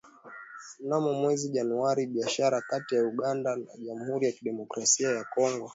Mnamo mwezi Januari, biashara kati ya Uganda na jamuhuri ya kidemokrasia ya Kongo